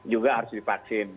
juga harus divaksin